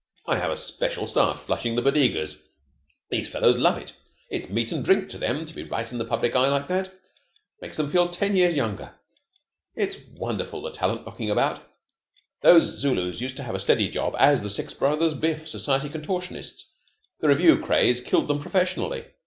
I have a special staff flushing the Bodegas. These fellows love it. It's meat and drink to them to be right in the public eye like that. Makes them feel ten years younger. It's wonderful the talent knocking about. Those Zulus used to have a steady job as the Six Brothers Biff, Society Contortionists. The Revue craze killed them professionally.